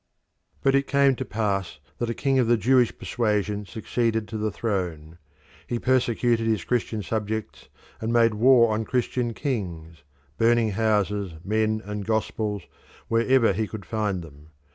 But it came to pass that a king of the Jewish persuasion succeeded to the throne: he persecuted his Christian subjects and made war on Christian kings, burning houses, men, and gospels wherever he could find them.